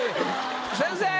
先生。